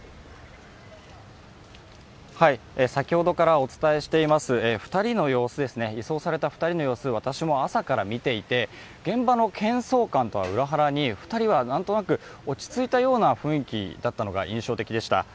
先ほどからお伝えしています、移送された２人の様子、私も朝から見ていて現場のけん騒感とはうらはらに２人はなんとなく落ち着いたような雰囲気だったのが印象的でした。